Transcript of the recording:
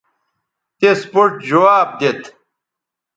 تس پوڇ جواب دیت